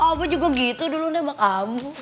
abah juga gitu dulu nembak ambu